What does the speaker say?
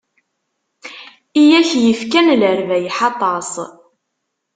I ak-yefkan lerbayeḥ aṭas.